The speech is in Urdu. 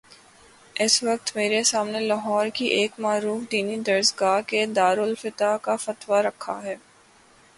اس وقت میرے سامنے لاہور کی ایک معروف دینی درس گاہ کے دارالافتاء کا فتوی رکھا ہے۔